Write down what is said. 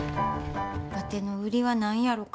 わての売りは何やろか？